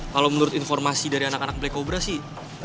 kalo menurut informasi dari anak anak black cobra sih